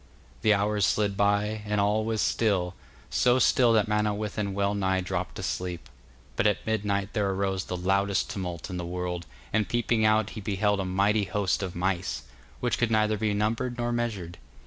The hours slid by, and all was still, so still that Manawyddan well nigh dropped asleep. But at midnight there arose the loudest tumult in the world, and peeping out he beheld a mighty host of mice, which could neither be numbered nor measured.